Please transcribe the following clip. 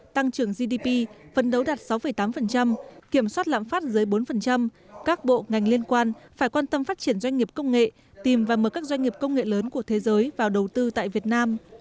tăng trưởng gdp phân đấu đạt sáu tám kiểm soát lãm phát dưới bốn các bộ ngành liên quan phải quan tâm phát triển doanh nghiệp công nghệ tìm và mở các doanh nghiệp công nghệ lớn của thế giới vào đầu tư tại việt nam